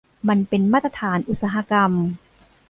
มันเป็นมาตรฐานอุตสาหกรรม